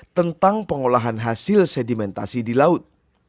tentang pengolahan hasil sedimentasi di laut